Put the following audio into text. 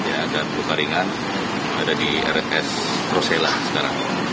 ada luka ringan ada di rs rosela sekarang